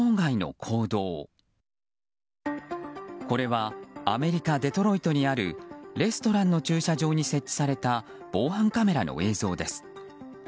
これはアメリカ・デトロイトにあるレストランの駐車場に設置された防犯カメラの映像です。